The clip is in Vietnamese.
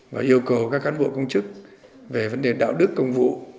và yêu cầu các cán bộ công chức về vấn đề đạo đức công vụ